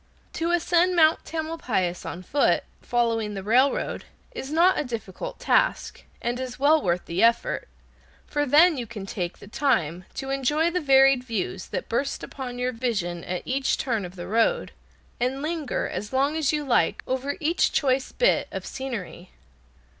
To ascend Mount Tamalpais on foot, following the railroad, is not a difficult task, and is well worth the effort, for then you can take time to enjoy the varied views that burst upon your vision at each turn of the road, and linger as long as you like over each choice bit of scenery.